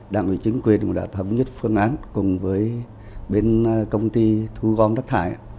đảng ủy chính quyền đã thấm nhất phương án cùng với bên công ty thu gom đất thải